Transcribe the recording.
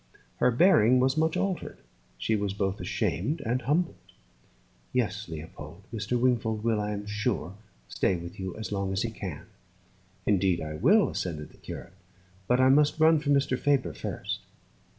Her bearing was much altered: she was both ashamed and humbled. "Yes, Leopold," she said, "Mr. Wingfold will, I am sure, stay with you as long as he can." "Indeed I will," assented the curate. "But I must run for Mr. Faber first."